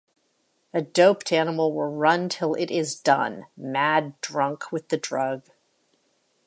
A doped animal will run till it is done, mad drunk with the drug.